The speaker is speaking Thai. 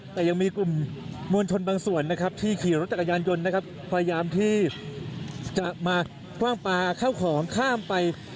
แต่ยังมีกลุ่มมวลชนบางส่วนนะครับที่ขี่รถจักรยานยนต์นะครับพยายามที่จะมาคว่างปลาเข้าของข้ามไป